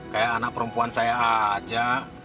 kayak anak perempuan saya aja